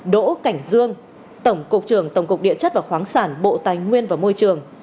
đỗ cảnh dương tổng cục trưởng tổng cục địa chất và khoáng sản bộ tài nguyên và môi trường